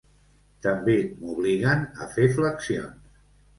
També m’obliguen a fer flexions.